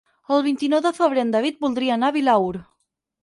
El vint-i-nou de febrer en David voldria anar a Vilaür.